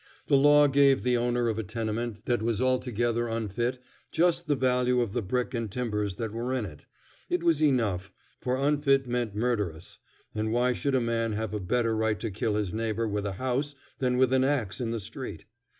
The law gave the owner of a tenement that was altogether unfit just the value of the brick and timbers that were in it. It was enough, for "unfit" meant murderous, and why should a man have a better right to kill his neighbor with a house than with an axe in the street?